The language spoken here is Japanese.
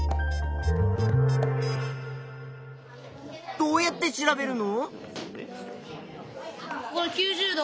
どうやって調べるの？